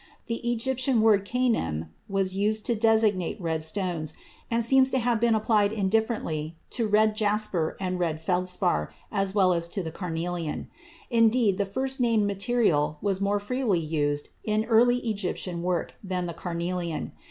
The Egyptian word chenem was used to designate red stones, and seems to have been applied indifferently to red jasper and red feldspar as well as to carnelian; indeed, the first named material was more freely used in early Egyptian work than the carnelian.